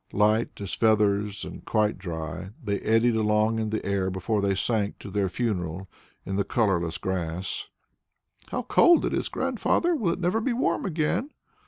Light as feathers and quite dry, they eddied long in the air before they sank to their funeral in the colourless grass. "How cold it is, Grandfather! Will it never be warm again?"